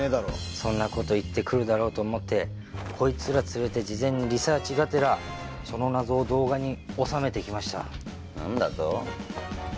そんなこと言ってくるだろうと思ってこいつら連れて事前にリサーチがてらその謎を動画に収めてきました何だと？